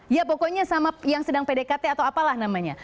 ya pokoknya sama yang sedang pdkt atau apalah namanya